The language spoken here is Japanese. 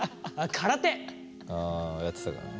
あやってたからね。